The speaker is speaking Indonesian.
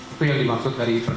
itu yang dimaksud dari